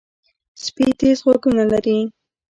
سپي تیز غوږونه لري.